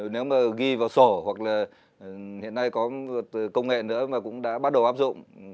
nếu mà ghi vào sổ hoặc là hiện nay có công nghệ nữa mà cũng đã bắt đầu áp dụng